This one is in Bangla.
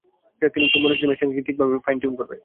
তুমি বলেছিলে, মেশিনটাকে ঠিকভাবে ফাইন-টিউন করবে।